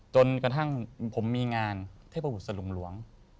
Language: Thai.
จนกระทั่งผมมีงานเทพบุตรสลุงหลวง